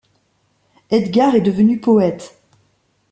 Edgar est devenu poète.